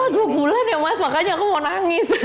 oh dua bulan ya mas makanya aku mau nangis